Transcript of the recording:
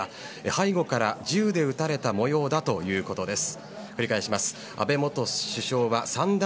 背後から銃で撃たれた模様だということです。